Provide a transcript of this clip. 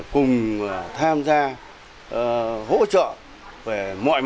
cùng tham gia hỗ trợ